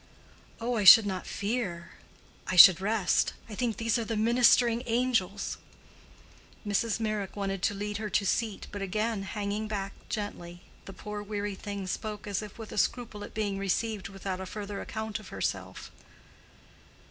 "Oh, I should not fear. I should rest. I think these are the ministering angels." Mrs. Meyrick wanted to lead her to seat, but again hanging back gently, the poor weary thing spoke as if with a scruple at being received without a further account of herself.